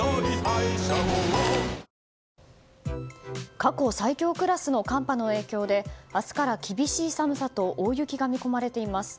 過去最強クラスの寒波の影響で明日から厳しい寒さと大雪が見込まれています。